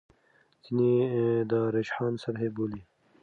ځینې دا رجحان سطحي بولي.